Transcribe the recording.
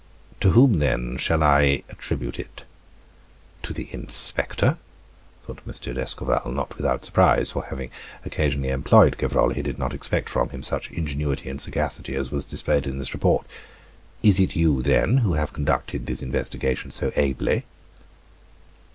"To whom, then, shall I attribute it to the inspector?" thought M. d'Escorval, not without surprise, for having occasionally employed Gevrol, he did not expect from him such ingenuity and sagacity as was displayed in this report. "Is it you, then, who have conducted this investigation so ably?"